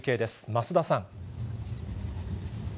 増田さん。